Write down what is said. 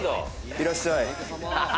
いらっしゃい。